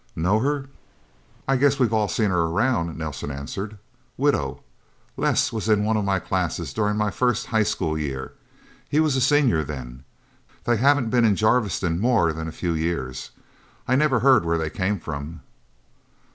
Know her?" "I guess we've all seen her around," Nelsen answered. "Widow. Les was in one of my classes during my first high school year. He was a senior, then. They haven't been in Jarviston more than a few years. I never heard where they came from..."